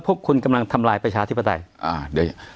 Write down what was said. พวกคุณกำลังทำลายประชาธิปไตย